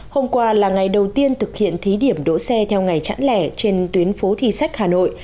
hôm qua là ngày đầu tiên thực hiện thí điểm đỗ xe theo ngày chẵn lẻ trên tuyến phố thi sách hà nội